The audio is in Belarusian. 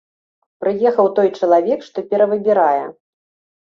Прыехаў той чалавек, што перавыбірае.